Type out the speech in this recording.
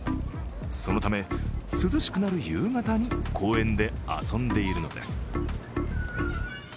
そのため、涼しくなる夕方に公園で遊んでいるのです。